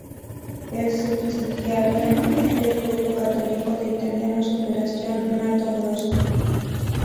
Es subsidiaria del grupo católico de italianos, "operación Matto Grosso"